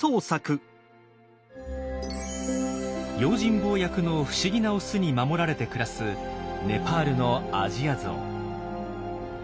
用心棒役の不思議なオスに守られて暮らすネパールのアジアゾウ。